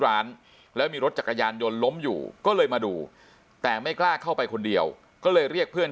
ร้านแล้วมีรถจักรยานยนต์ล้มอยู่ก็เลยมาดูแต่ไม่กล้าเข้าไปคนเดียวก็เลยเรียกเพื่อน